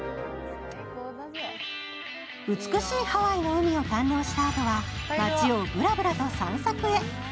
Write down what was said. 美しいハワイの海を堪能したあとは、街をぶらぶらと散策へ。